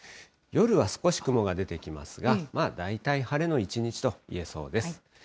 夜は少し雲が出てきますが、大体晴れの一日といえそうです。